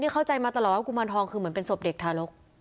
เข้าใจมาตลอดว่ากุมารทองคือเหมือนเป็นศพเด็กทารก